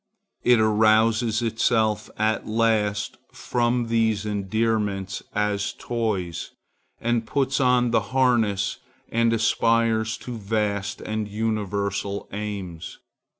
It arouses itself at last from these endearments, as toys, and puts on the harness and aspires to vast and universal aims.